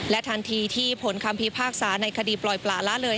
ทันทีที่ผลคำพิพากษาในคดีปล่อยปลาละเลย